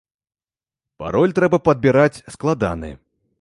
Пароль трэба падбіраць складаны.